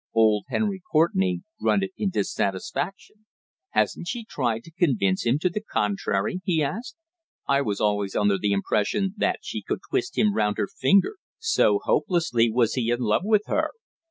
Old Henry Courtenay grunted in dissatisfaction. "Hasn't she tried to convince him to the contrary?" he asked. "I was always under the impression that she could twist him round her finger so hopelessly was he in love with her."